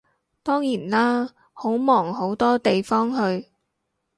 當然啦，好忙好多地方去